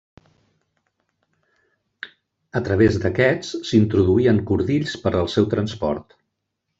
A través d'aquests s'introduïen cordills per al seu transport.